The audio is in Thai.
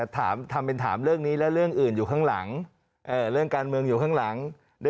ถามเป็นถามเรื่องนี้แล้วเรื่องอื่นอยู่ข้างหลัง